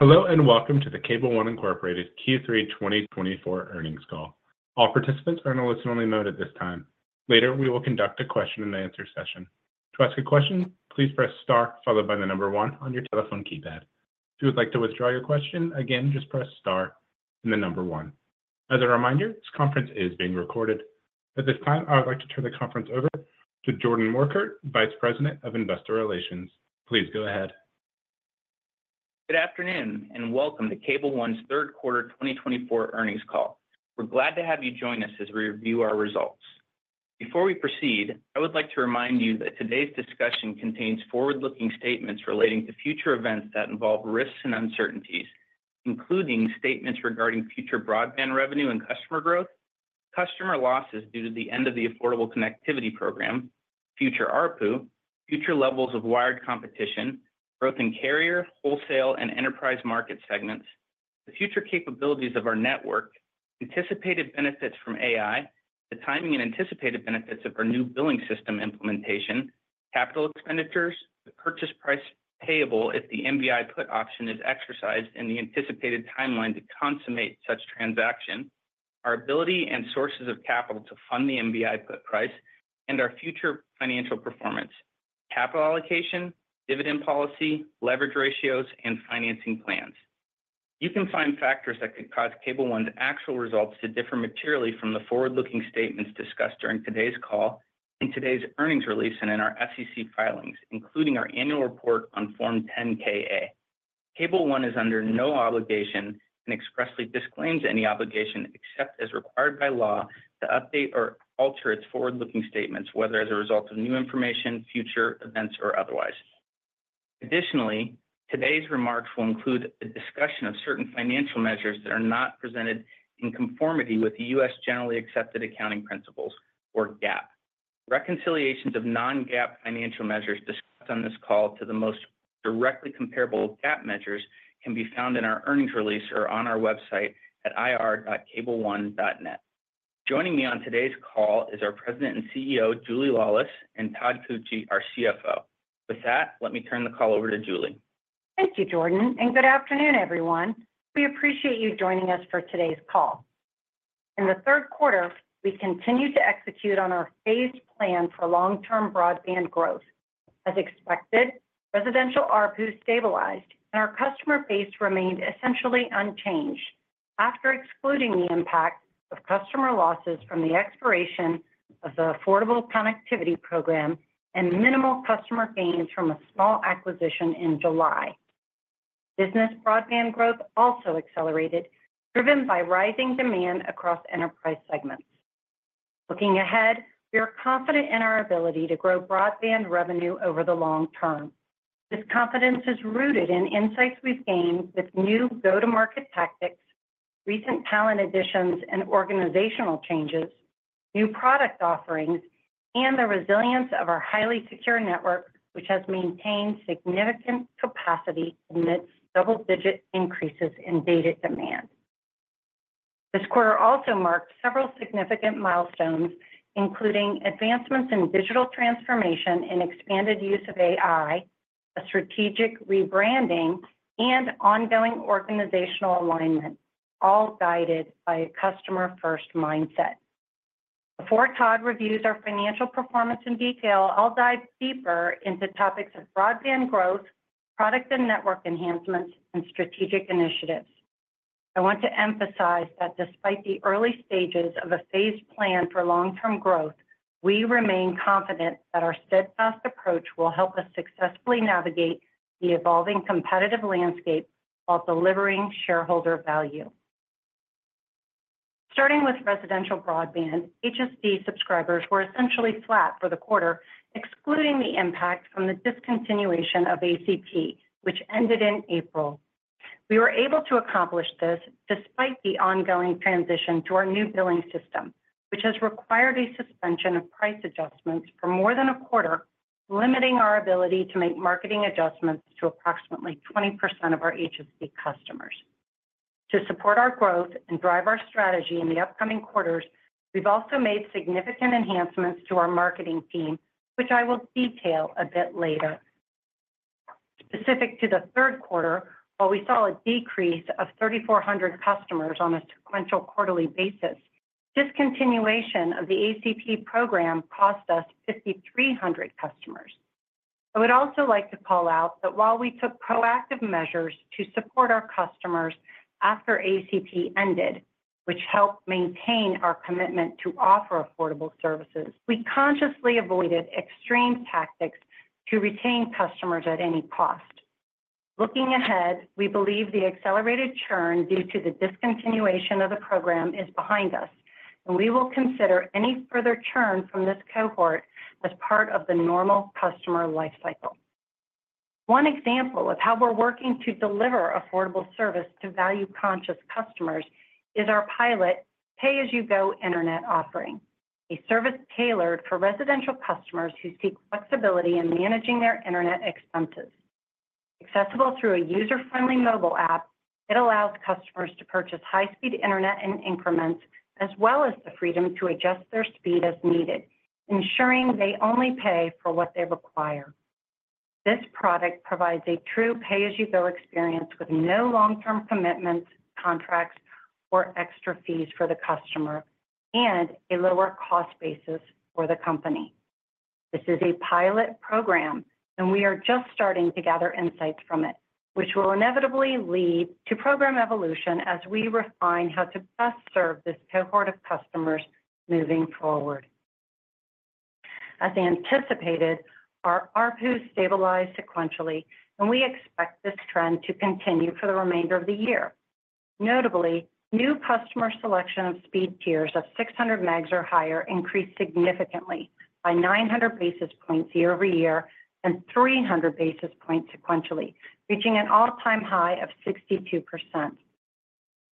Hello and welcome to the Cable One Incorporated Q3 2024 earnings call. All participants are on a listen-only mode at this time. Later, we will conduct a question-and-answer session. To ask a question, please press star followed by the number one on your telephone keypad. If you would like to withdraw your question, again, just press star and the number one. As a reminder, this conference is being recorded. At this time, I would like to turn the conference over to Jordan Morkert, Vice President of Investor Relations. Please go ahead. Good afternoon and welcome to Cable One's third quarter 2024 earnings call. We're glad to have you join us as we review our results. Before we proceed, I would like to remind you that today's discussion contains forward-looking statements relating to future events that involve risks and uncertainties, including statements regarding future broadband revenue and customer growth, customer losses due to the end of the Affordable Connectivity Program, future ARPU, future levels of wired competition, growth in carrier, wholesale, and enterprise market segments, the future capabilities of our network, anticipated benefits from AI, the timing and anticipated benefits of our new billing system implementation, capital expenditures, the purchase price payable if the MBI put option is exercised, and the anticipated timeline to consummate such transaction, our ability and sources of capital to fund the MBI put price, and our future financial performance, capital allocation, dividend policy, leverage ratios, and financing plans. You can find factors that could cause Cable One's actual results to differ materially from the forward-looking statements discussed during today's call, in today's earnings release, and in our SEC filings, including our annual report on Form 10-K/A. Cable One is under no obligation and expressly disclaims any obligation except as required by law to update or alter its forward-looking statements, whether as a result of new information, future events, or otherwise. Additionally, today's remarks will include a discussion of certain financial measures that are not presented in conformity with the U.S. Generally Accepted Accounting Principles, or GAAP. Reconciliations of non-GAAP financial measures discussed on this call to the most directly comparable GAAP measures can be found in our earnings release or on our website at ir.cableone.net. Joining me on today's call is our President and CEO, Julie Laulis, and Todd Koetje, our CFO. With that, let me turn the call over to Julie. Thank you, Jordan, and good afternoon, everyone. We appreciate you joining us for today's call. In the third quarter, we continued to execute on our phased plan for long-term broadband growth. As expected, residential ARPU stabilized, and our customer base remained essentially unchanged after excluding the impact of customer losses from the expiration of the Affordable Connectivity Program and minimal customer gains from a small acquisition in July. Business broadband growth also accelerated, driven by rising demand across enterprise segments. Looking ahead, we are confident in our ability to grow broadband revenue over the long term. This confidence is rooted in insights we've gained with new go-to-market tactics, recent talent additions and organizational changes, new product offerings, and the resilience of our highly secure network, which has maintained significant capacity amidst double-digit increases in data demand. This quarter also marked several significant milestones, including advancements in digital transformation and expanded use of AI, a strategic rebranding, and ongoing organizational alignment, all guided by a customer-first mindset. Before Todd reviews our financial performance in detail, I'll dive deeper into topics of broadband growth, product and network enhancements, and strategic initiatives. I want to emphasize that despite the early stages of a phased plan for long-term growth, we remain confident that our steadfast approach will help us successfully navigate the evolving competitive landscape while delivering shareholder value. Starting with residential broadband, HSD subscribers were essentially flat for the quarter, excluding the impact from the discontinuation of ACP, which ended in April. We were able to accomplish this despite the ongoing transition to our new billing system, which has required a suspension of price adjustments for more than a quarter, limiting our ability to make marketing adjustments to approximately 20% of our HSD customers. To support our growth and drive our strategy in the upcoming quarters, we've also made significant enhancements to our marketing team, which I will detail a bit later. Specific to the third quarter, while we saw a decrease of 3,400 customers on a sequential quarterly basis, discontinuation of the ACP program cost us 5,300 customers. I would also like to call out that while we took proactive measures to support our customers after ACP ended, which helped maintain our commitment to offer affordable services, we consciously avoided extreme tactics to retain customers at any cost. Looking ahead, we believe the accelerated churn due to the discontinuation of the program is behind us, and we will consider any further churn from this cohort as part of the normal customer lifecycle. One example of how we're working to deliver affordable service to value-conscious customers is our pilot Pay-as-you-go Internet offering, a service tailored for residential customers who seek flexibility in managing their internet expenses. Accessible through a user-friendly mobile app, it allows customers to purchase high-speed internet in increments as well as the freedom to adjust their speed as needed, ensuring they only pay for what they require. This product provides a true pay-as-you-go experience with no long-term commitments, contracts, or extra fees for the customer, and a lower cost basis for the company. This is a pilot program, and we are just starting to gather insights from it, which will inevitably lead to program evolution as we refine how to best serve this cohort of customers moving forward. As anticipated, our ARPU stabilized sequentially, and we expect this trend to continue for the remainder of the year. Notably, new customer selection of speed tiers of 600 megs or higher increased significantly by 900 basis points year over year and 300 basis points sequentially, reaching an all-time high of 62%.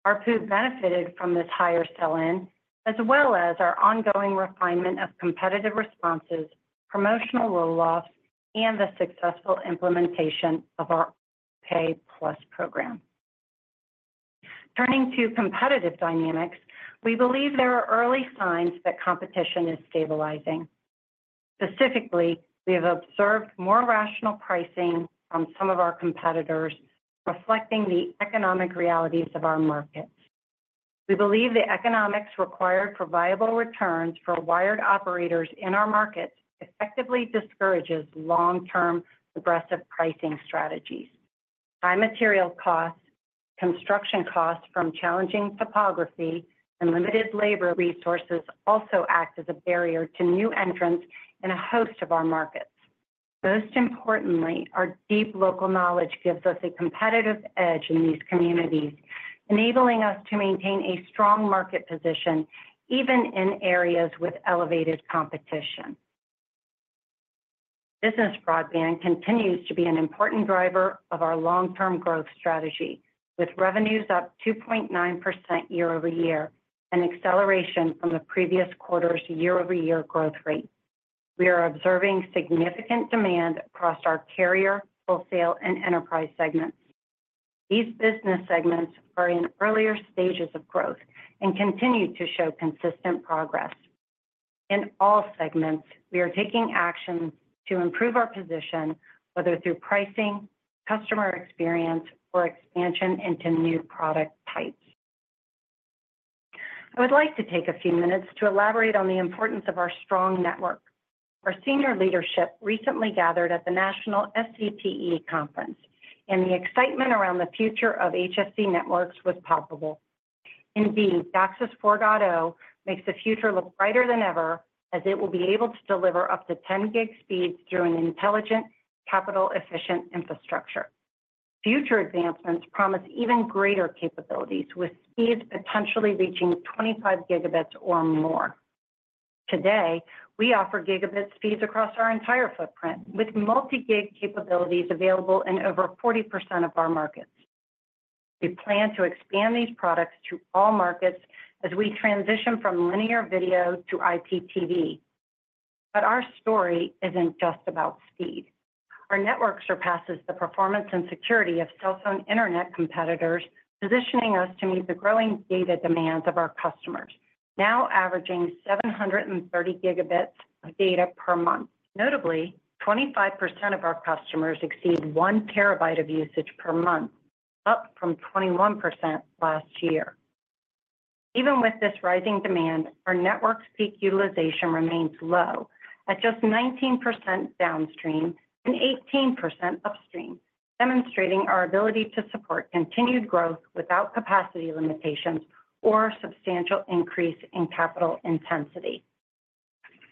ARPU benefited from this higher sell-in, as well as our ongoing refinement of competitive responses, promotional roll-offs, and the successful implementation of our Pay-Plus program. Turning to competitive dynamics, we believe there are early signs that competition is stabilizing. Specifically, we have observed more rational pricing from some of our competitors, reflecting the economic realities of our markets. We believe the economics required for viable returns for wired operators in our markets effectively discourages long-term aggressive pricing strategies. High material costs, construction costs from challenging topography, and limited labor resources also act as a barrier to new entrants in a host of our markets. Most importantly, our deep local knowledge gives us a competitive edge in these communities, enabling us to maintain a strong market position even in areas with elevated competition. Business broadband continues to be an important driver of our long-term growth strategy, with revenues up 2.9% year over year and acceleration from the previous quarter's year-over-year growth rate. We are observing significant demand across our carrier, wholesale, and enterprise segments. These business segments are in earlier stages of growth and continue to show consistent progress. In all segments, we are taking action to improve our position, whether through pricing, customer experience, or expansion into new product types. I would like to take a few minutes to elaborate on the importance of our strong network. Our senior leadership recently gathered at the National SCTE Conference, and the excitement around the future of HSD networks was palpable. Indeed, DOCSIS 4.0 makes the future look brighter than ever, as it will be able to deliver up to 10 gig speeds through an intelligent, capital-efficient infrastructure. Future advancements promise even greater capabilities, with speeds potentially reaching 25 gigabits or more. Today, we offer gigabit speeds across our entire footprint, with multi-gig capabilities available in over 40% of our markets. We plan to expand these products to all markets as we transition from linear video to IPTV. But our story isn't just about speed. Our network surpasses the performance and security of cell phone internet competitors, positioning us to meet the growing data demands of our customers, now averaging 730 gigabytes of data per month. Notably, 25% of our customers exceed one terabyte of usage per month, up from 21% last year. Even with this rising demand, our network's peak utilization remains low, at just 19% downstream and 18% upstream, demonstrating our ability to support continued growth without capacity limitations or a substantial increase in capital intensity.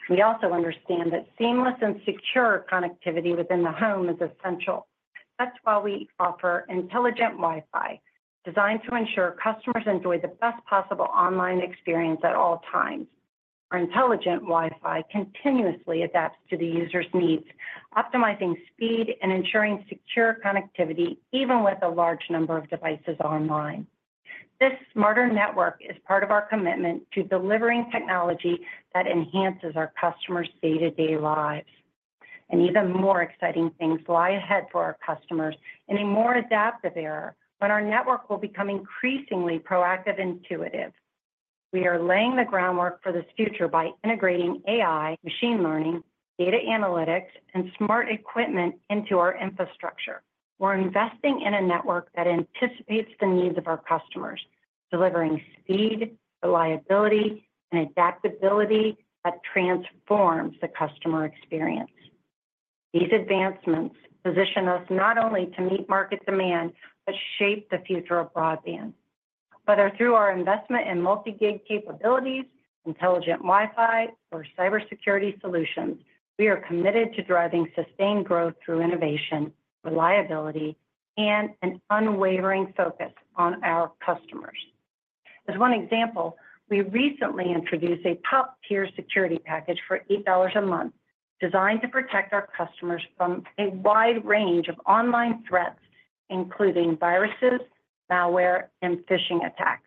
We also understand that seamless and secure connectivity within the home is essential. That's why we offer Intelligent Wi-Fi, designed to ensure customers enjoy the best possible online experience at all times. Our Intelligent Wi-Fi continuously adapts to the user's needs, optimizing speed and ensuring secure connectivity even with a large number of devices online. This smarter network is part of our commitment to delivering technology that enhances our customers' day-to-day lives, and even more exciting things lie ahead for our customers in a more adaptive era when our network will become increasingly proactive and intuitive. We are laying the groundwork for this future by integrating AI, machine learning, data analytics, and smart equipment into our infrastructure. We're investing in a network that anticipates the needs of our customers, delivering speed, reliability, and adaptability that transforms the customer experience. These advancements position us not only to meet market demand but shape the future of broadband. Whether through our investment in multi-gig capabilities, Intelligent Wi-Fi, or cybersecurity solutions, we are committed to driving sustained growth through innovation, reliability, and an unwavering focus on our customers. As one example, we recently introduced a top-tier security package for $8 a month, designed to protect our customers from a wide range of online threats, including viruses, malware, and phishing attacks.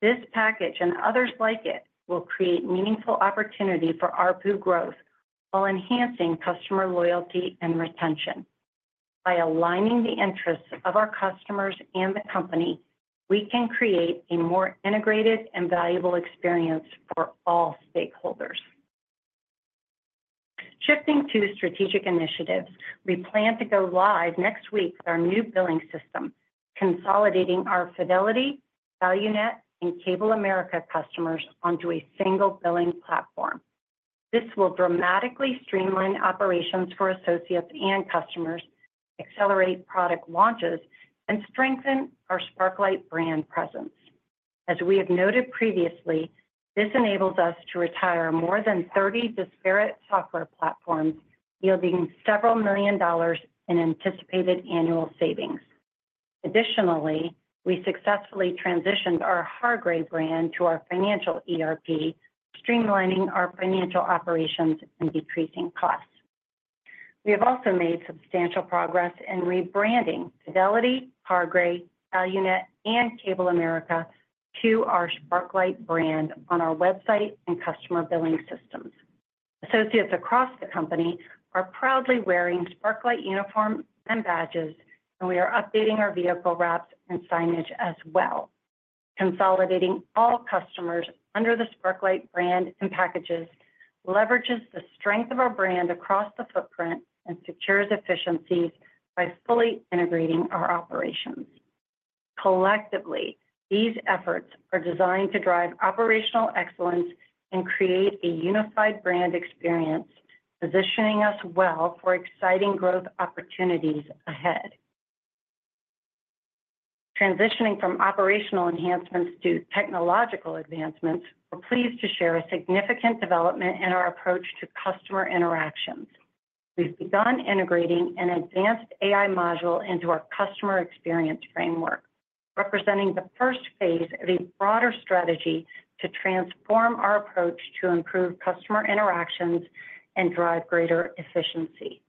This package and others like it will create meaningful opportunity for ARPU growth while enhancing customer loyalty and retention. By aligning the interests of our customers and the company, we can create a more integrated and valuable experience for all stakeholders. Shifting to strategic initiatives, we plan to go live next week with our new billing system, consolidating our Fidelity, ValuNet, and Cable America customers onto a single billing platform. This will dramatically streamline operations for associates and customers, accelerate product launches, and strengthen our Sparklight brand presence. As we have noted previously, this enables us to retire more than 30 disparate software platforms, yielding several million dollars in anticipated annual savings. Additionally, we successfully transitioned our Hargray brand to our financial ERP, streamlining our financial operations and decreasing costs. We have also made substantial progress in rebranding Fidelity, Hargray, ValuNet, and Cable America to our Sparklight brand on our website and customer billing systems. Associates across the company are proudly wearing Sparklight uniforms and badges, and we are updating our vehicle wraps and signage as well. Consolidating all customers under the Sparklight brand and packages leverages the strength of our brand across the footprint and secures efficiencies by fully integrating our operations. Collectively, these efforts are designed to drive operational excellence and create a unified brand experience, positioning us well for exciting growth opportunities ahead. Transitioning from operational enhancements to technological advancements, we're pleased to share a significant development in our approach to customer interactions. We've begun integrating an advanced AI module into our customer experience framework, representing the first phase of a broader strategy to transform our approach to improve customer interactions and drive greater efficiency.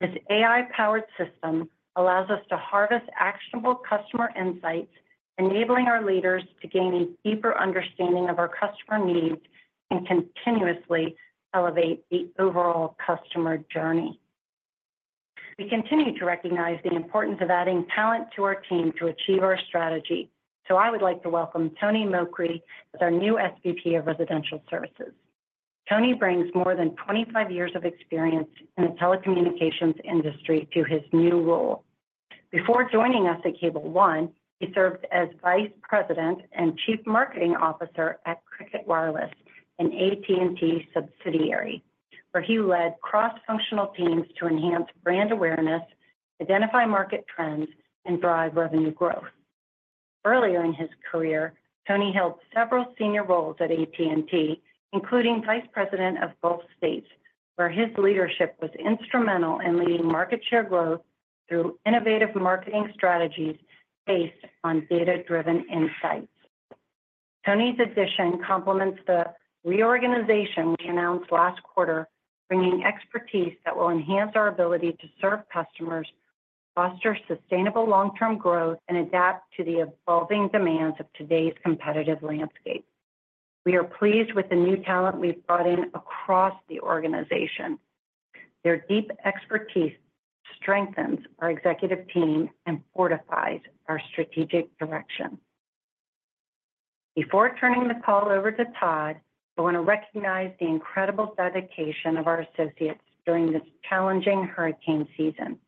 This AI-powered system allows us to harvest actionable customer insights, enabling our leaders to gain a deeper understanding of our customer needs and continuously elevate the overall customer journey. We continue to recognize the importance of adding talent to our team to achieve our strategy, so I would like to welcome Tony Mokry as our new SVP of Residential Services. Tony brings more than 25 years of experience in the telecommunications industry to his new role. Before joining us at Cable One, he served as Vice President and Chief Marketing Officer at Cricket Wireless, an AT&T subsidiary, where he led cross-functional teams to enhance brand awareness, identify market trends, and drive revenue growth. Earlier in his career, Tony held several senior roles at AT&T, including Vice President of Belt States, where his leadership was instrumental in leading market share growth through innovative marketing strategies based on data-driven insights. Tony's addition complements the reorganization we announced last quarter, bringing expertise that will enhance our ability to serve customers, foster sustainable long-term growth, and adapt to the evolving demands of today's competitive landscape. We are pleased with the new talent we've brought in across the organization. Their deep expertise strengthens our executive team and fortifies our strategic direction. Before turning the call over to Todd, I want to recognize the incredible dedication of our associates during this challenging hurricane season.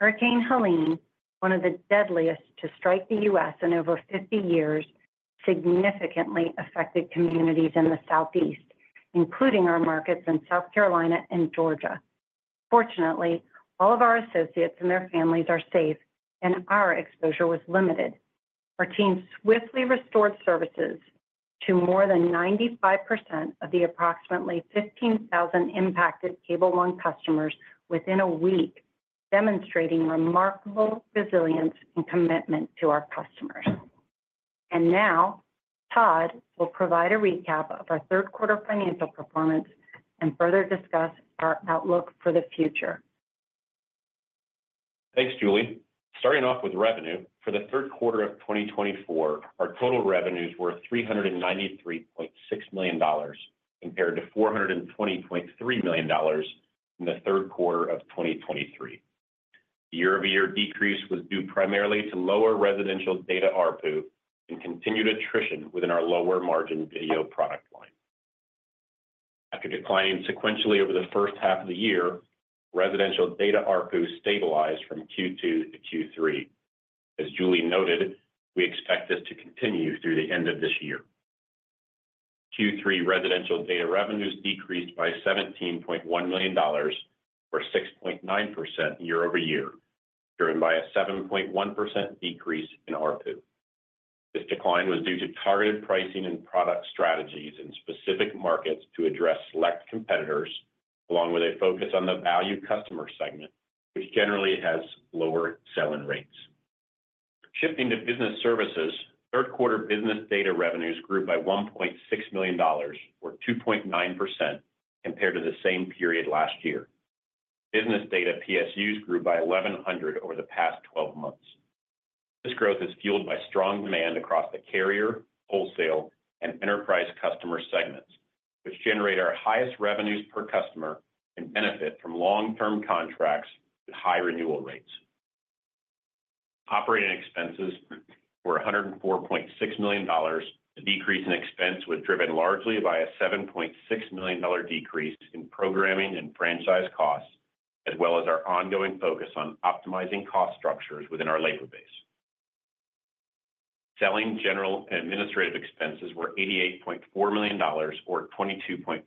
Hurricane Helene, one of the deadliest to strike the U.S. in over 50 years, significantly affected communities in the Southeast, including our markets in South Carolina and Georgia. Fortunately, all of our associates and their families are safe, and our exposure was limited. Our team swiftly restored services to more than 95% of the approximately 15,000 impacted Cable One customers within a week, demonstrating remarkable resilience and commitment to our customers. And now, Todd will provide a recap of our third quarter financial performance and further discuss our outlook for the future. Thanks, Julie. Starting off with revenue, for the third quarter of 2024, our total revenues were $393.6 million compared to $420.3 million in the third quarter of 2023. The year-over-year decrease was due primarily to lower residential data ARPU and continued attrition within our lower-margin video product line. After declining sequentially over the first half of the year, residential data ARPU stabilized from Q2 to Q3. As Julie noted, we expect this to continue through the end of this year. Q3 residential data revenues decreased by $17.1 million or 6.9% year-over-year, driven by a 7.1% decrease in ARPU. This decline was due to targeted pricing and product strategies in specific markets to address select competitors, along with a focus on the value customer segment, which generally has lower selling rates. Shifting to business services, third quarter business data revenues grew by $1.6 million or 2.9% compared to the same period last year. Business data PSUs grew by $1,100 over the past 12 months. This growth is fueled by strong demand across the carrier, wholesale, and enterprise customer segments, which generate our highest revenues per customer and benefit from long-term contracts with high renewal rates. Operating expenses were $104.6 million. The decrease in expense was driven largely by a $7.6 million decrease in programming and franchise costs, as well as our ongoing focus on optimizing cost structures within our labor base. Selling general and administrative expenses were $88.4 million or 22.5%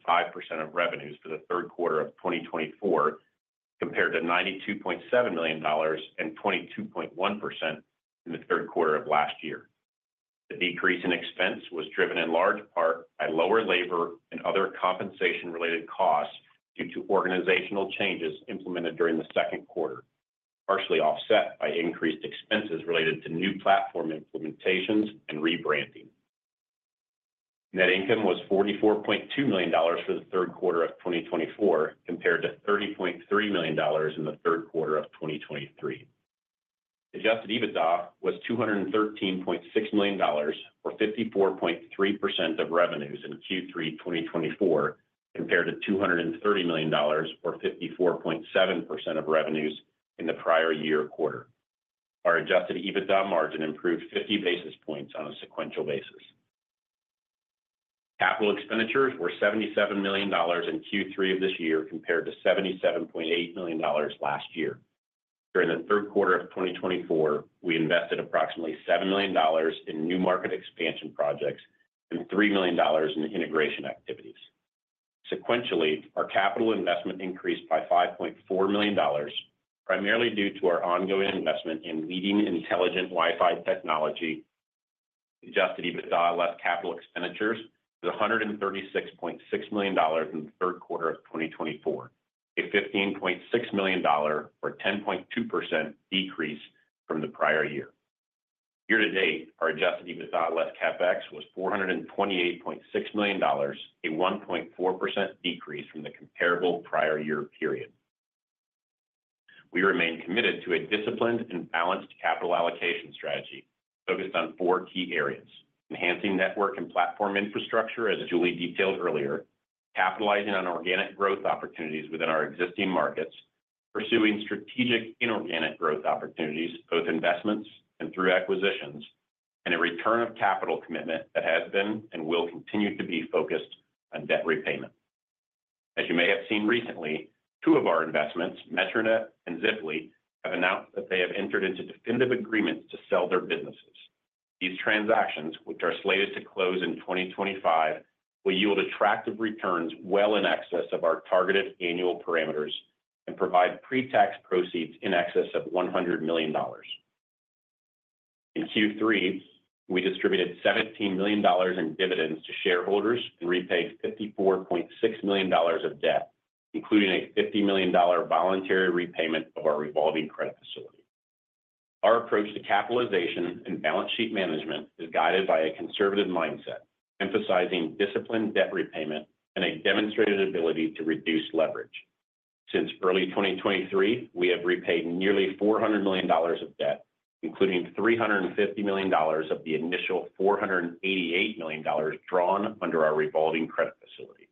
of revenues for the third quarter of 2024, compared to $92.7 million and 22.1% in the third quarter of last year. The decrease in expense was driven in large part by lower labor and other compensation-related costs due to organizational changes implemented during the second quarter, partially offset by increased expenses related to new platform implementations and rebranding. Net income was $44.2 million for the third quarter of 2024, compared to $30.3 million in the third quarter of 2023. Adjusted EBITDA was $213.6 million or 54.3% of revenues in Q3 2024, compared to $230 million or 54.7% of revenues in the prior year quarter. Our adjusted EBITDA margin improved 50 basis points on a sequential basis. Capital expenditures were $77 million in Q3 of this year, compared to $77.8 million last year. During the third quarter of 2024, we invested approximately $7 million in new market expansion projects and $3 million in integration activities. Sequentially, our capital investment increased by $5.4 million, primarily due to our ongoing investment in leading Intelligent Wi-Fi technology. Adjusted EBITDA less capital expenditures was $136.6 million in the third quarter of 2024, a $15.6 million or 10.2% decrease from the prior year. Year-to-date, our Adjusted EBITDA less CapEx was $428.6 million, a 1.4% decrease from the comparable prior year period. We remain committed to a disciplined and balanced capital allocation strategy focused on four key areas: enhancing network and platform infrastructure, as Julie detailed earlier, Capitalizing on organic growth opportunities within our existing markets, pursuing strategic inorganic growth opportunities, both investments and through acquisitions, and a return of capital commitment that has been and will continue to be focused on debt repayment. As you may have seen recently, two of our investments, Metronet and Ziply, have announced that they have entered into definitive agreements to sell their businesses. These transactions, which are slated to close in 2025, will yield attractive returns well in excess of our targeted annual parameters and provide pre-tax proceeds in excess of $100 million. In Q3, we distributed $17 million in dividends to shareholders and repaid $54.6 million of debt, including a $50 million voluntary repayment of our revolving credit facility. Our approach to capitalization and balance sheet management is guided by a conservative mindset, emphasizing disciplined debt repayment and a demonstrated ability to reduce leverage. Since early 2023, we have repaid nearly $400 million of debt, including $350 million of the initial $488 million drawn under our revolving credit facility.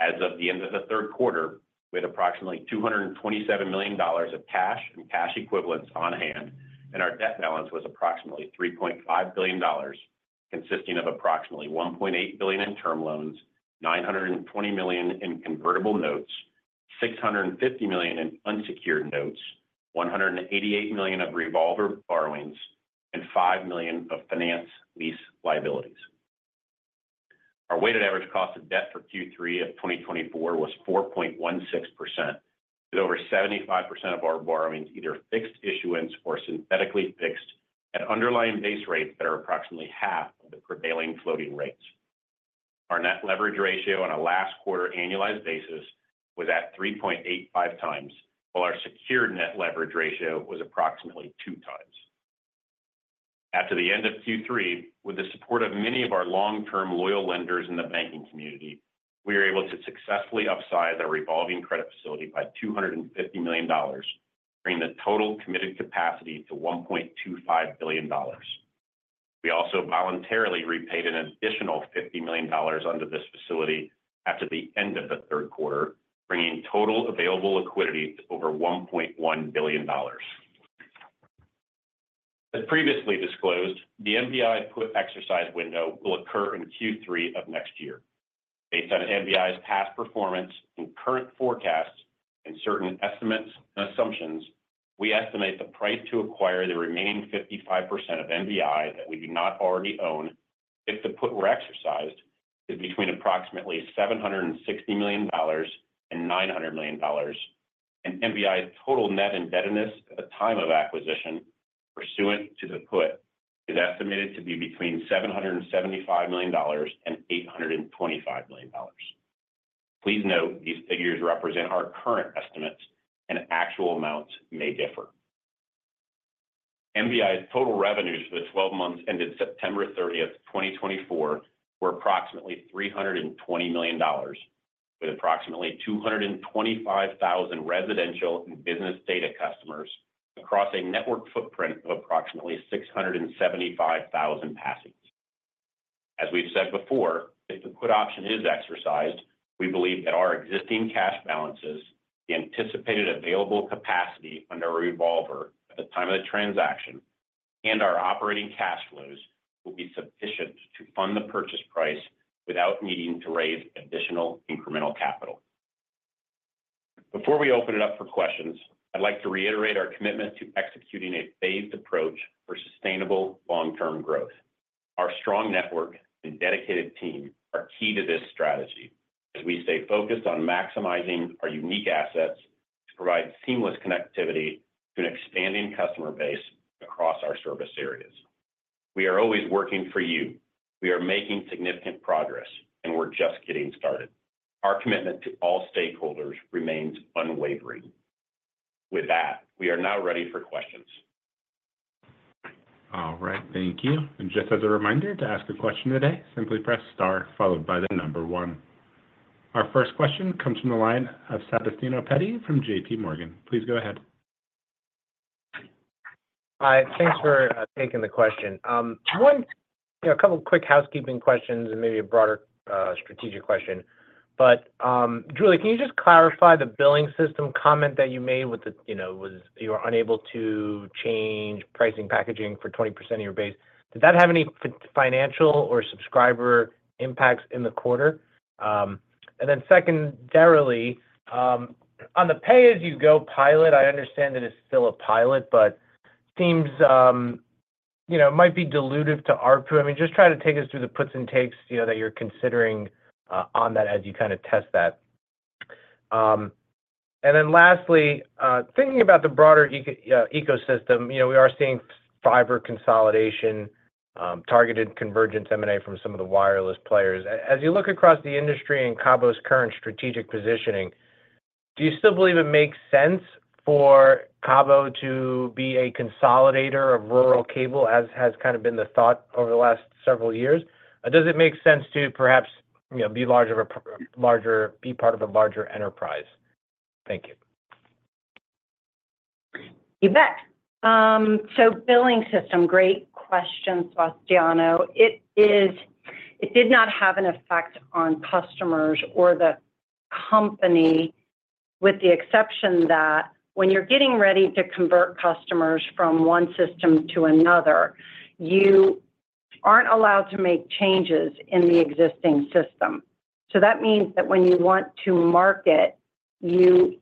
As of the end of the third quarter, we had approximately $227 million of cash and cash equivalents on hand, and our debt balance was approximately $3.5 billion, consisting of approximately $1.8 billion in term loans, $920 million in convertible notes, $650 million in unsecured notes, $188 million of revolver borrowings, and $5 million of finance lease liabilities. Our weighted average cost of debt for Q3 of 2024 was 4.16%, with over 75% of our borrowings either fixed issuance or synthetically fixed at underlying base rates that are approximately half of the prevailing floating rates. Our net leverage ratio on a last quarter annualized basis was at 3.85 times, while our secured net leverage ratio was approximately 2 times. After the end of Q3, with the support of many of our long-term loyal lenders in the banking community, we were able to successfully upsize our revolving credit facility by $250 million, bringing the total committed capacity to $1.25 billion. We also voluntarily repaid an additional $50 million under this facility after the end of the third quarter, bringing total available liquidity to over $1.1 billion. As previously disclosed, the MBI put exercise window will occur in Q3 of next year. Based on MBI's past performance and current forecasts and certain estimates and assumptions, we estimate the price to acquire the remaining 55% of MBI that we do not already own if the put were exercised is between approximately $760 million and $900 million, and MBI's total net indebtedness at the time of acquisition pursuant to the put is estimated to be between $775 million and $825 million. Please note these figures represent our current estimates, and actual amounts may differ. MBI's total revenues for the 12 months ended September 30, 2024, were approximately $320 million, with approximately 225,000 residential and business data customers across a network footprint of approximately 675,000 passings. As we've said before, if the put option is exercised, we believe that our existing cash balances, the anticipated available capacity under a revolver at the time of the transaction, and our operating cash flows will be sufficient to fund the purchase price without needing to raise additional incremental capital. Before we open it up for questions, I'd like to reiterate our commitment to executing a phased approach for sustainable long-term growth. Our strong network and dedicated team are key to this strategy as we stay focused on maximizing our unique assets to provide seamless connectivity to an expanding customer base across our service areas. We are always working for you. We are making significant progress, and we're just getting started. Our commitment to all stakeholders remains unwavering. With that, we are now ready for questions. All right. Thank you. And just as a reminder, to ask a question today, simply press star, followed by the number one. Our first question comes from the line of Sebastiano Petti from J.P. Morgan. Please go ahead. Hi. Thanks for taking the question. A couple of quick housekeeping questions and maybe a broader strategic question. But Julie, can you just clarify the billing system comment that you made with the you were unable to change pricing packaging for 20% of your base? Did that have any financial or subscriber impacts in the quarter? And then secondarily, on the pay-as-you-go pilot, I understand that it's still a pilot, but it seems it might be dilutive to ARPU. I mean, just try to take us through the puts and takes that you're considering on that as you kind of test that. And then lastly, thinking about the broader ecosystem, we are seeing fiber consolidation, targeted convergence M&A from some of the wireless players. As you look across the industry and Cabo's current strategic positioning, do you still believe it makes sense for Cabo to be a consolidator of rural cable, as has kind of been the thought over the last several years? Or does it make sense to perhaps be part of a larger enterprise? Thank you. You bet. Sobilling system, great question, Sebastiano. It did not have an effect on customers or the company, with the exception that when you're getting ready to convert customers from one system to another, you aren't allowed to make changes in the existing system. That means that when you want to market, you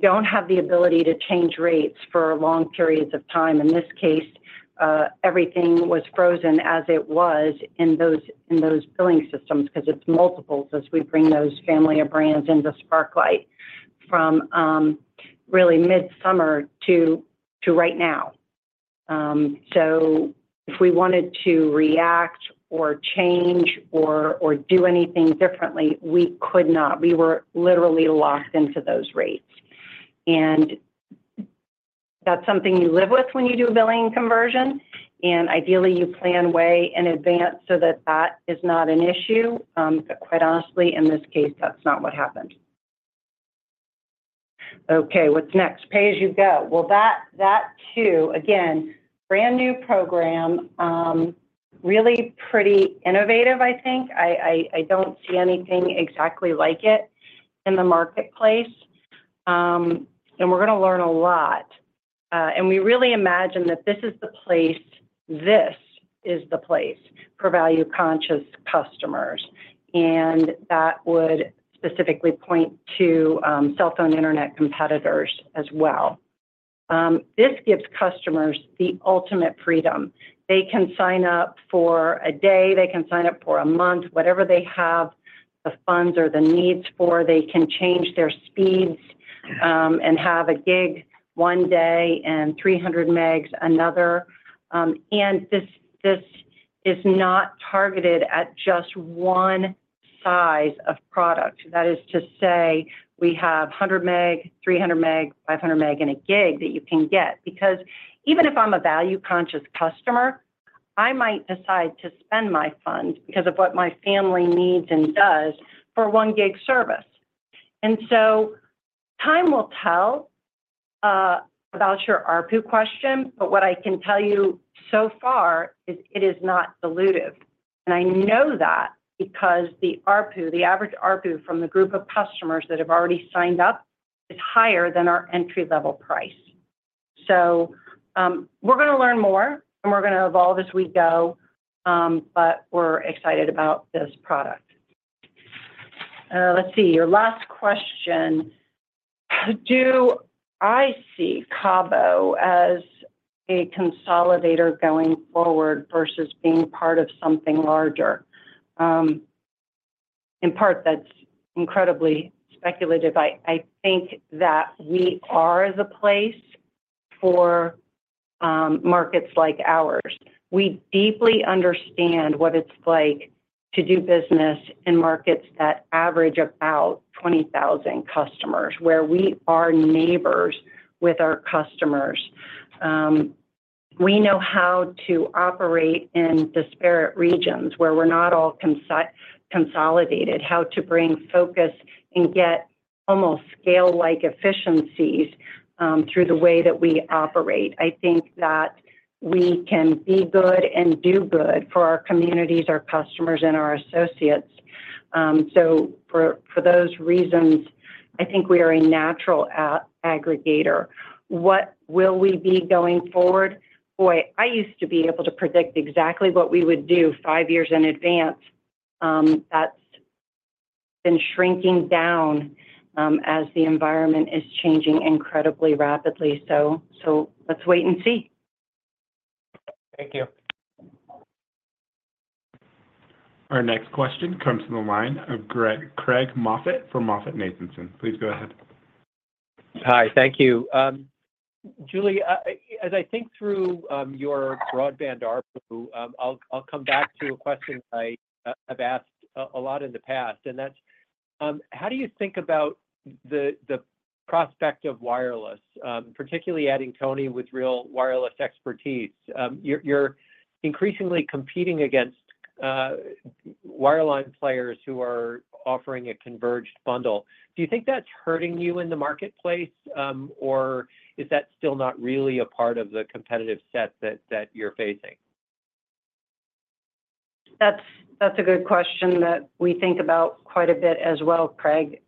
don't have the ability to change rates for long periods of time. In this case, everything was frozen as it was in those billing systems because it's multiples as we bring those family of brands into Sparklight from really mid-summer to right now. So if we wanted to react or change or do anything differently, we could not. We were literally locked into those rates. And that's something you live with when you do a billing conversion. And ideally, you plan way in advance so that that is not an issue. But quite honestly, in this case, that's not what happened. Okay. What's next? Pay-as-you-go. Well, that too, again, brand new program, really pretty innovative, I think. I don't see anything exactly like it in the marketplace. And we're going to learn a lot. And we really imagine that this is the place. This is the place for value-conscious customers. And that would specifically point to cell phone internet competitors as well. This gives customers the ultimate freedom. They can sign up for a day. They can sign up for a month, whatever they have the funds or the needs for. They can change their speeds and have a gig one day and 300 megs another. And this is not targeted at just one size of product. That is to say, we have 100 meg, 300 meg, 500 meg, and a gig that you can get. Because even if I'm a value-conscious customer, I might decide to spend my funds because of what my family needs and does for one gig service. And so time will tell about your ARPU question, but what I can tell you so far is it is not dilutive. And I know that because the ARPU, the average ARPU from the group of customers that have already signed up, is higher than our entry-level price. So we're going to learn more, and we're going to evolve as we go, but we're excited about this product. Let's see. Your last question. Do I see CABO as a consolidator going forward versus being part of something larger? In part, that's incredibly speculative. I think that we are the place for markets like ours. We deeply understand what it's like to do business in markets that average about 20,000 customers, where we are neighbors with our customers. We know how to operate in disparate regions where we're not all consolidated, how to bring focus and get almost scale-like efficiencies through the way that we operate. I think that we can be good and do good for our communities, our customers, and our associates. So for those reasons, I think we are a natural aggregator. What will we be going forward? Boy, I used to be able to predict exactly what we would do five years in advance. That's been shrinking down as the environment is changing incredibly rapidly. So let's wait and see. Thank you. Our next question comes from the line of Craig Moffett from MoffettNathanson. Please go ahead. Hi. Thank you. Julie, as I think through your broadband ARPU, I'll come back to a question I have asked a lot in the past. And that's, how do you think about the prospect of wireless, particularly adding Tony with real wireless expertise? You're increasingly competing against wireline players who are offering a converged bundle. Do you think that's hurting you in the marketplace, or is that still not really a part of the competitive set that you're facing? That's a good question that we think about quite a bit as well, Craig.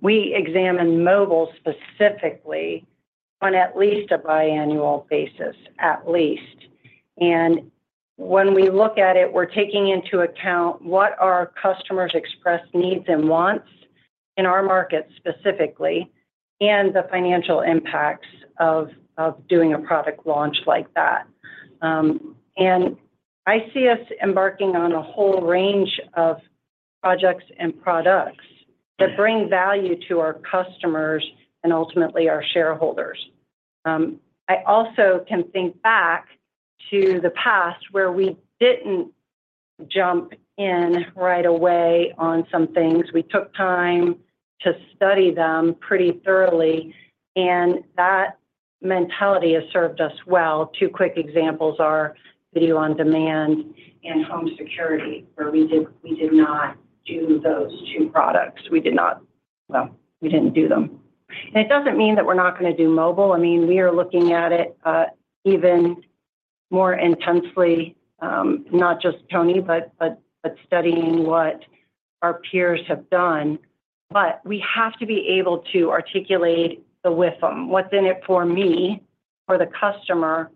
We examine mobile specifically on at least a biannual basis, at least. And when we look at it, we're taking into account what our customers express needs and wants in our market specifically and the financial impacts of doing a product launch like that. And I see us embarking on a whole range of projects and products that bring value to our customers and ultimately our shareholders. I also can think back to the past where we didn't jump in right away on some things. We took time to study them pretty thoroughly. And that mentality has served us well. Two quick examples are video on demand and home security, where we did not do those two products. We did not. We didn't do them. It doesn't mean that we're not going to do mobile. I mean, we are looking at it even more intensely, not just Tony, but studying what our peers have done. We have to be able to articulate to them what's in it for me, for the customer,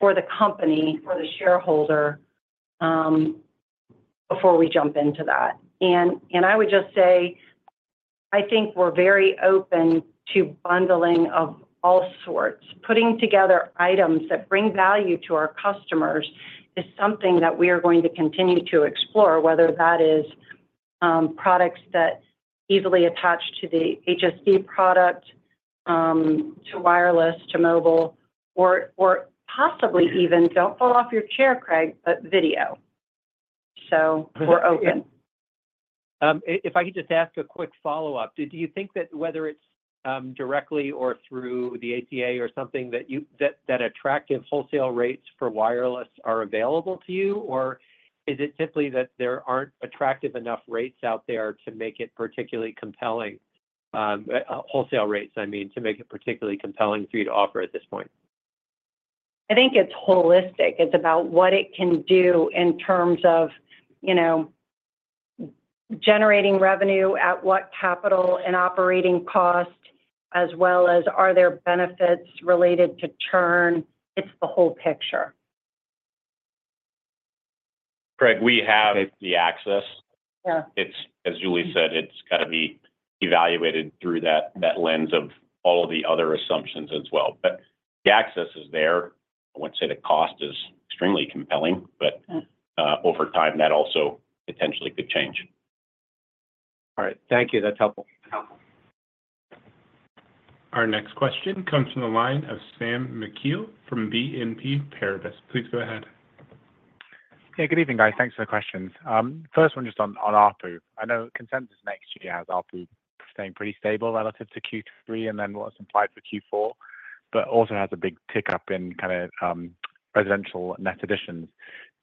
for the company, for the shareholder before we jump into that. I would just say I think we're very open to bundling of all sorts. Putting together items that bring value to our customers is something that we are going to continue to explore, whether that is products that easily attach to the HSD product, to wireless, to mobile, or possibly even, don't fall off your chair, Craig, but video. We're open. If I could just ask a quick follow-up, do you think that whether it's directly or through the AT&T or something that attractive wholesale rates for wireless are available to you, or is it simply that there aren't attractive enough rates out there to make it particularly compelling? Wholesale rates, I mean, to make it particularly compelling for you to offer at this point. I think it's holistic. It's about what it can do in terms of generating revenue at what capital and operating cost, as well as are there benefits related to churn. It's the whole picture. Craig, we have the access. As Julie said, it's got to be evaluated through that lens of all of the other assumptions as well. But the access is there. I wouldn't say the cost is extremely compelling, but over time, that also potentially could change. All right. Thank you. That's helpful. Our next question comes from the line of Sam McHugh from BNP Paribas. Please go ahead. Hey, good evening, guys. Thanks for the questions. First one just on ARPU. I know consensus next year has ARPU staying pretty stable relative to Q3 and then what's implied for Q4, but also has a big tick up in kind of residential net additions.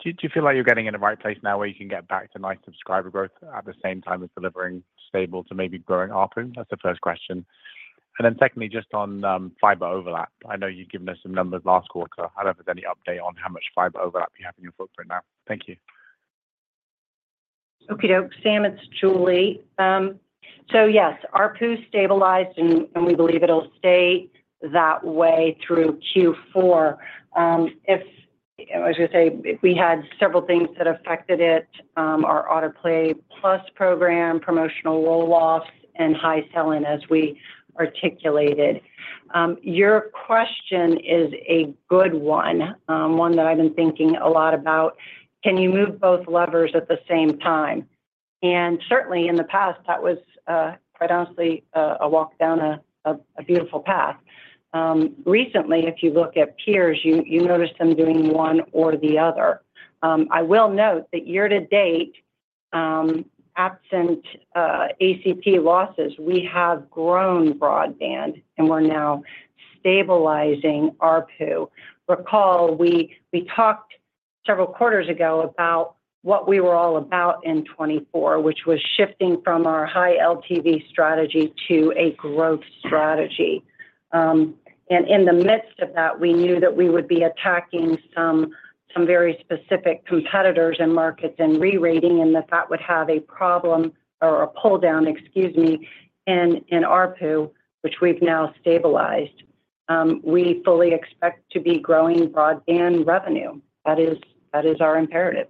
Do you feel like you're getting in the right place now where you can get back to nice subscriber growth at the same time as delivering stable to maybe growing ARPU? That's the first question. And then secondly, just on fiber overlap, I know you've given us some numbers last quarter. I don't know if there's any update on how much fiber overlap you have in your footprint now. Thank you. Okie doke. Sam, it's Julie. So yes, ARPU stabilized, and we believe it'll stay that way through Q4. I was going to say we had several things that affected it: our Pay-Plus program, promotional roll-offs, and high selling as we articulated. Your question is a good one, one that I've been thinking a lot about. Can you move both levers at the same time? And certainly, in the past, that was, quite honestly, a walk down a beautiful path. Recently, if you look at peers, you notice them doing one or the other. I will note that year to date, absent ACP losses, we have grown broadband, and we're now stabilizing ARPU. Recall, we talked several quarters ago about what we were all about in 2024, which was shifting from our high LTV strategy to a growth strategy. And in the midst of that, we knew that we would be attacking some very specific competitors and markets and re-rating and that that would have a problem or a pull-down, excuse me, in ARPU, which we've now stabilized. We fully expect to be growing broadband revenue. That is our imperative.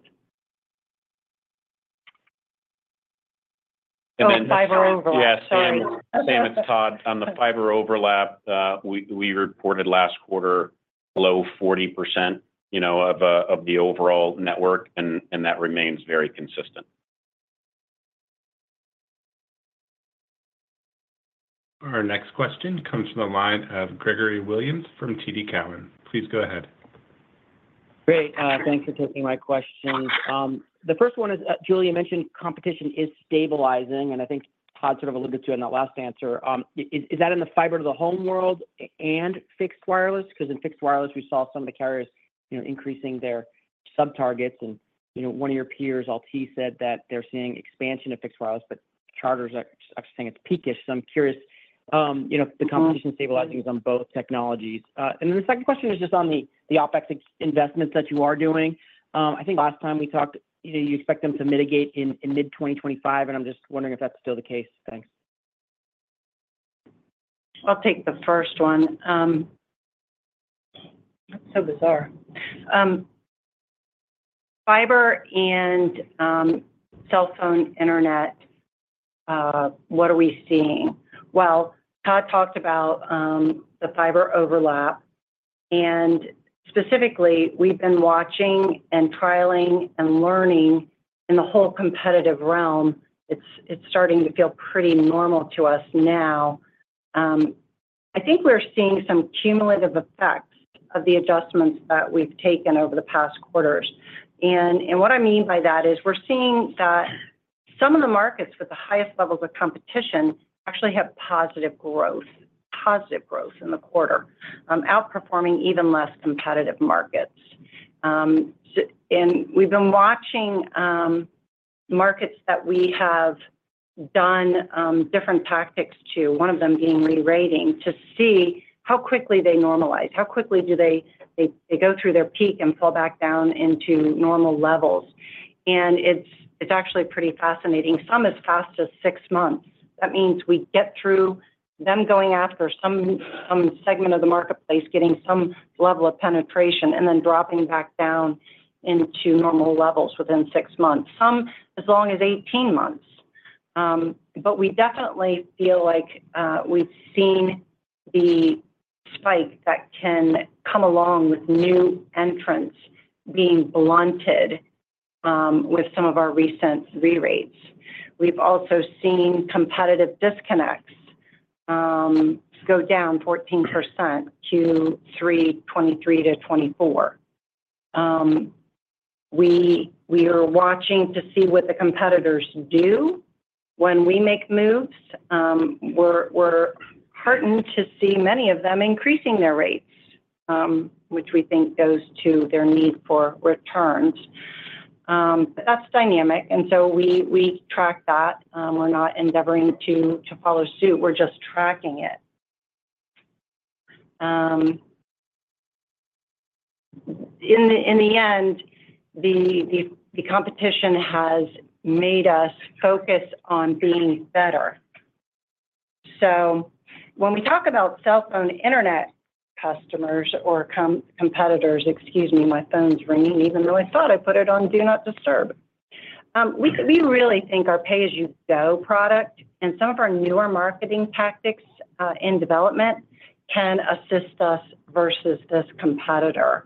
On fiber overlap, Sam. Sam, it's Todd. On the fiber overlap, we reported last quarter below 40% of the overall network, and that remains very consistent. Our next question comes from the line of Gregory Williams from TD Cowen. Please go ahead. Great. Thanks for taking my questions. The first one is, Julie, you mentioned competition is stabilizing, and I think Todd sort of alluded to it in that last answer. Is that in the fiber to the home world and fixed wireless? Because in fixed wireless, we saw some of the carriers increasing their sub-targets. And one of your peers, Altice, said that they're seeing expansion of fixed wireless, but Charter's are saying it's peakish. So I'm curious, the competition stabilizing is on both technologies. And then the second question is just on the OpEx investments that you are doing. I think last time we talked, you expect them to mitigate in mid-2025, and I'm just wondering if that's still the case. Thanks. I'll take the first one. That's so bizarre. Fiber and cell phone internet, what are we seeing? Well, Todd talked about the fiber overlap. And specifically, we've been watching and trialing and learning in the whole competitive realm. It's starting to feel pretty normal to us now. I think we're seeing some cumulative effects of the adjustments that we've taken over the past quarters. And what I mean by that is we're seeing that some of the markets with the highest levels of competition actually have positive growth, positive growth in the quarter, outperforming even less competitive markets. And we've been watching markets that we have done different tactics to, one of them being re-rating, to see how quickly they normalize. How quickly do they go through their peak and fall back down into normal levels? And it's actually pretty fascinating. Some as fast as six months. That means we get through them going after some segment of the marketplace, getting some level of penetration, and then dropping back down into normal levels within six months. Some as long as 18 months. But we definitely feel like we've seen the spike that can come along with new entrants being blunted with some of our recent re-rates. We've also seen competitive disconnects go down 14% Q3 2023 to 2024. We are watching to see what the competitors do when we make moves. We're heartened to see many of them increasing their rates, which we think goes to their need for returns. But that's dynamic. And so we track that. We're not endeavoring to follow suit. We're just tracking it. In the end, the competition has made us focus on being better. So when we talk about cell phone internet customers or competitors, excuse me, my phone's ringing even though I thought I put it on do not disturb. We really think our pay-as-you-go product and some of our newer marketing tactics in development can assist us versus this competitor.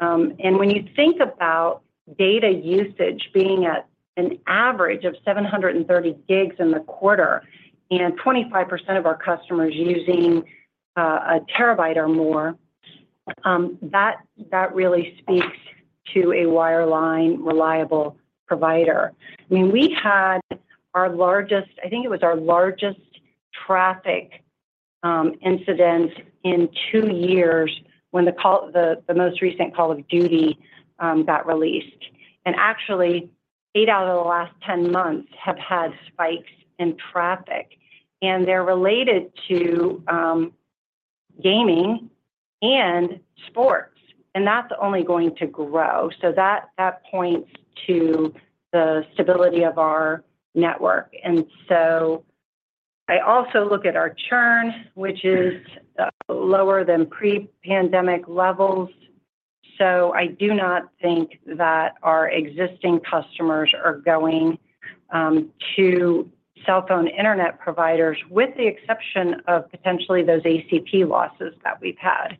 And when you think about data usage being at an average of 730 gigs in the quarter and 25% of our customers using a terabyte or more, that really speaks to a wireline reliable provider. I mean, we had our largest, I think it was our largest traffic incident in two years when the most recent Call of Duty got released. And actually, eight out of the last 10 months have had spikes in traffic. And they're related to gaming and sports. And that's only going to grow. So that points to the stability of our network. And so I also look at our churn, which is lower than pre-pandemic levels. So I do not think that our existing customers are going to cell phone internet providers with the exception of potentially those ACP losses that we've had.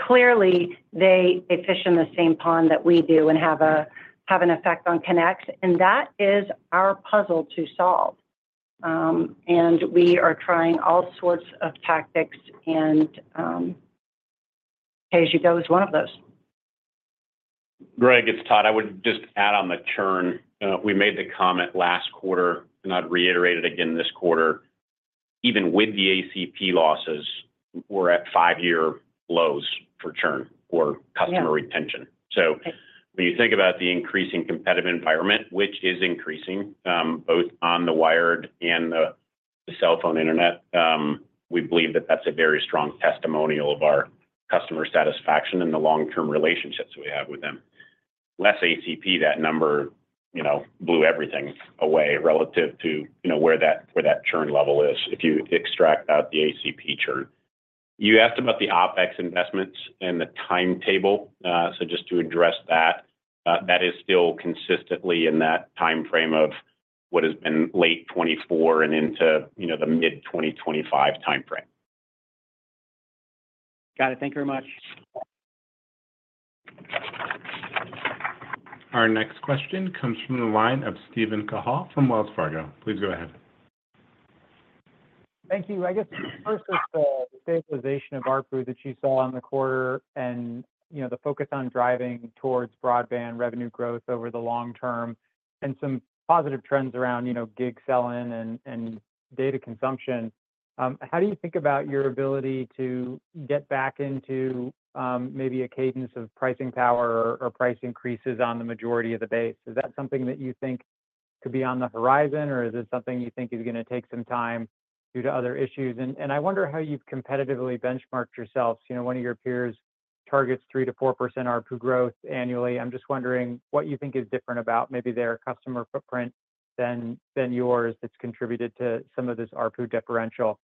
Clearly, they fish in the same pond that we do and have an effect on connects. And that is our puzzle to solve. And we are trying all sorts of tactics, and pay-as-you-go is one of those. Greg, it's Todd. I would just add on the churn. We made the comment last quarter, and I'd reiterate it again this quarter. Even with the ACP losses, we're at five-year lows for churn or customer retention. So when you think about the increasing competitive environment, which is increasing both on the wired and the cell phone internet, we believe that that's a very strong testimonial of our customer satisfaction and the long-term relationships we have with them. Less ACP, that number blew everything away relative to where that churn level is if you extract out the ACP churn. You asked about the OpEx investments and the timetable. So just to address that, that s still consistently in that timeframe of what has been late 2024 and into the mid-2025 timeframe. Got it. Thank you very much. Our next question comes from the line of Steven Cahall from Wells Fargo. Please go ahead. Thank you. I guess first is the stabilization of ARPU that you saw in the quarter and the focus on driving towards broadband revenue growth over the long term and some positive trends around gig selling and data consumption. How do you think about your ability to get back into maybe a cadence of pricing power or price increases on the majority of the base? Is that something that you think could be on the horizon, or is it something you think is going to take some time due to other issues? And I wonder how you've competitively benchmarked yourselves. One of your peers targets 3%-4% ARPU growth annually. I'm just wondering what you think is different about maybe their customer footprint than yours that's contributed to some of this ARPU differential.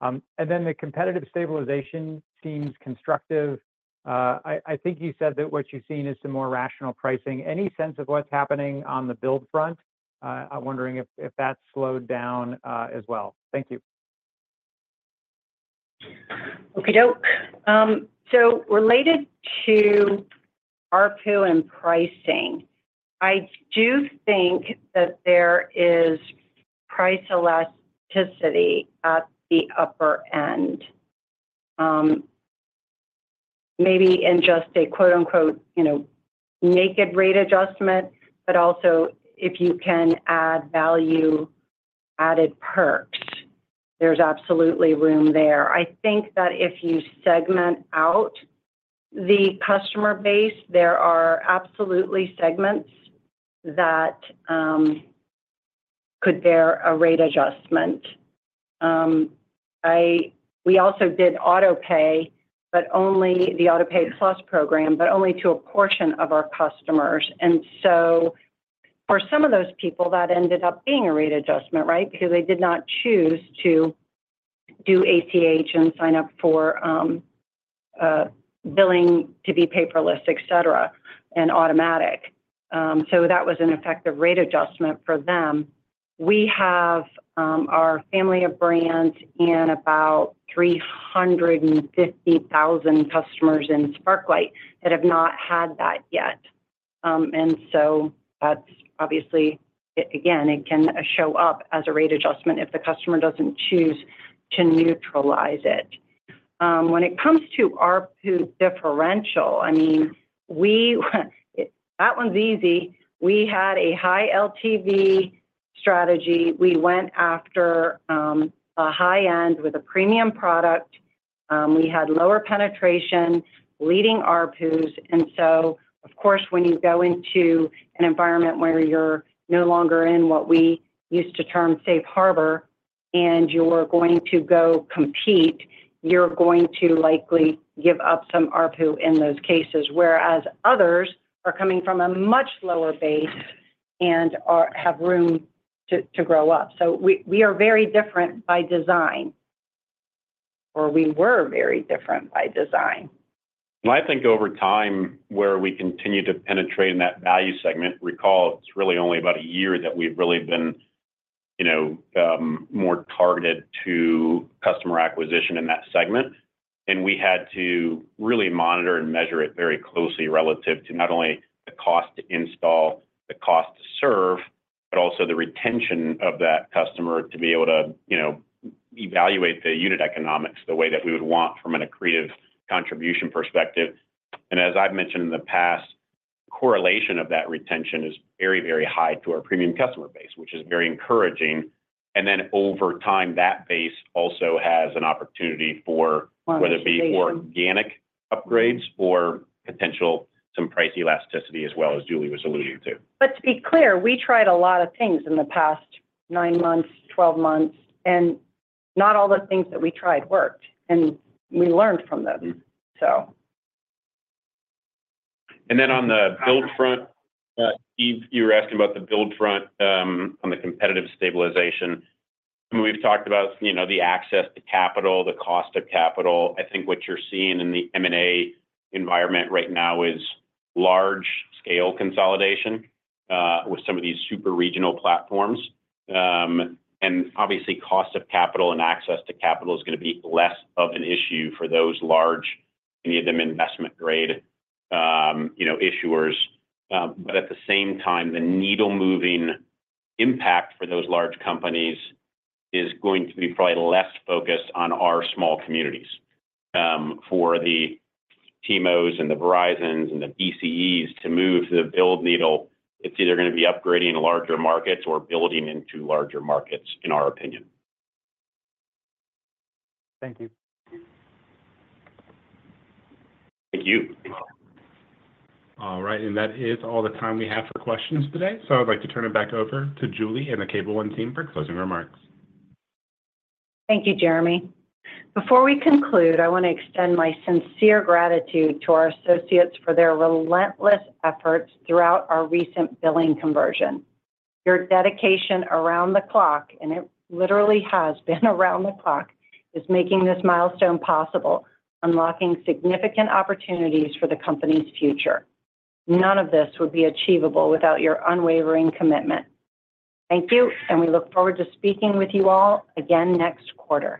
And then the competitive stabilization seems constructive. I think you said that what you've seen is some more rational pricing. Any sense of what's happening on the build front? I'm wondering if that's slowed down as well. Thank you. Okie doke. So related to ARPU and pricing, I do think that there is price elasticity at the upper end, maybe in just a quote-unquote "naked rate adjustment," but also if you can add value-added perks, there's absolutely room there. I think that if you segment out the customer base, there are absolutely segments that could bear a rate adjustment. We also did Autopay, but only the Autopay Plus program, but only to a portion of our customers, and so for some of those people, that ended up being a rate adjustment, right, because they did not choose to do ACH and sign up for billing to be paperless, etc., and automatic, so that was an effective rate adjustment for them. We have our family of brands and about 350,000 customers in Sparklight that have not had that yet, and so that's obviously, again, it can show up as a rate adjustment if the customer doesn't choose to neutralize it. When it comes to ARPU differential, I mean, that one's easy. We had a high LTV strategy. We went after a high end with a premium product. We had lower penetration leading ARPUs. And so, of course, when you go into an environment where you're no longer in what we use to term safe harbor, and you're going to go compete, you're going to likely give up some ARPU in those cases, whereas others are coming from a much lower base and have room to grow up. So we are very different by design, or we were very different by design. Well, I think over time, where we continue to penetrate in that value segment, recall, it's really only about a year that we've really been more targeted to customer acquisition in that segment. And we had to really monitor and measure it very closely relative to not only the cost to install, the cost to serve, but also the retention of that customer to be able to evaluate the unit economics the way that we would want from a creative contribution perspective. And as I've mentioned in the past, the correlation of that retention is very, very high to our premium customer base, which is very encouraging. And then over time, that base also has an opportunity for whether it be organic upgrades or potential some price elasticity as well as Julie was alluding to. But to be clear, we tried a lot of things in the past nine months, 12 months, and not all the things that we tried worked. And we learned from them, so. And then on the build front, Steve, you were asking about the build front on the competitive stabilization. I mean, we've talked about the access to capital, the cost of capital. I think what you're seeing in the M&A environment right now is large-scale consolidation with some of these super regional platforms. And obviously, cost of capital and access to capital is going to be less of an issue for those large, many of them investment-grade issuers. But at the same time, the needle-moving impact for those large companies is going to be probably less focused on our small communities. For the TMOs and the Verizons and the BCEs to move the build needle, it's either going to be upgrading in larger markets or building into larger markets, in our opinion. Thank you. Thank you. All right. And that is all the time we have for questions today. So I'd like to turn it back over to Julie and the Cable One team for closing remarks. Thank you, Jeremy. Before we conclude, I want to extend my sincere gratitude to our associates for their relentless efforts throughout our recent billing conversion. Your dedication around the clock, and it literally has been around the clock, is making this milestone possible, unlocking significant opportunities for the company's future. None of this would be achievable without your unwavering commitment. Thank you, and we look forward to speaking with you all again next quarter.